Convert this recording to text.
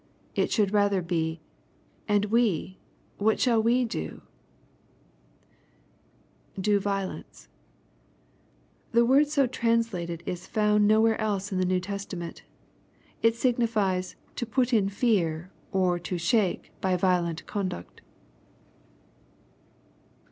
It should rather be, " and we, what shall we do ?" [do violence,] The word so translated is found nowhere else in the New Testament It signifies " to put in fear, or to shake, by violent conduct."